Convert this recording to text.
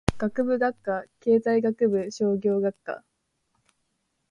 学部・学科経済学部商業学科